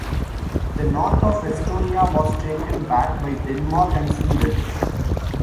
The north of Estonia was taken back by Denmark and Sweden.